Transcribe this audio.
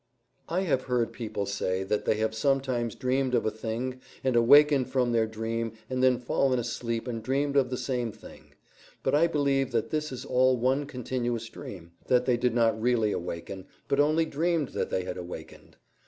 I have heard people say they have sometimes dreamed of a thing, and awakened from their dream and then fallen asleep and dreamed of the same thing; but I believe that this is all one continuous dream; that they did not really awaken, but only dreamed that they awakened.